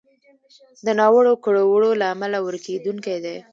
د ناوړو کړو وړو له امله ورکېدونکی دی.